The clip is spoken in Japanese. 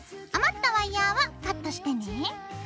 余ったワイヤーはカットしてね。